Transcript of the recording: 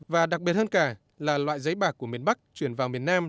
và đặc biệt hơn cả là loại giấy bạc của miền bắc chuyển vào miền nam